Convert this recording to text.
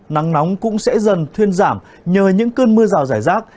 nắng nóng cũng sẽ dần thuyên giảm nhờ những cơn mưa rào rải rác